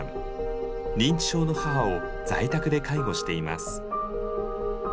認知症の母を在宅で介護しています。